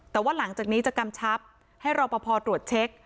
แต่ว่าหลังจากนี้จะกำชับให้รอปภตรวจเช็ค